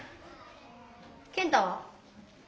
健太は？